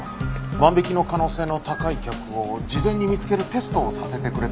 万引きの可能性の高い客を事前に見つけるテストをさせてくれって。